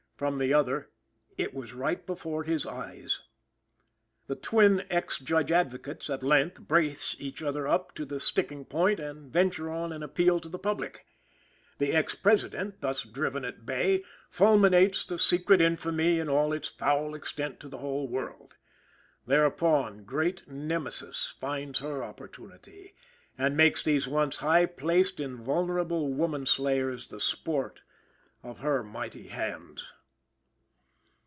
From the other: "It was right before his eyes." The twin ex Judge Advocates, at length, brace each other up to the sticking point and venture on an appeal to the public. The ex President, thus driven at bay, fulminates the secret infamy in all its foul extent to the whole world. Thereupon, Great Nemesis finds her opportunity, and makes these once high placed, invulnerable woman slayers the sport of her mighty hands.